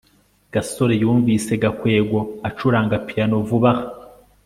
gasore yumvise gakwego acuranga piyano vuba aha